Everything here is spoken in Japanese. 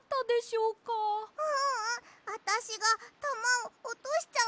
ううん。あたしがたまをおとしちゃったから。